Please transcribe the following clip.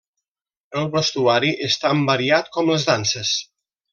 El vestuari és tan variat com les danses.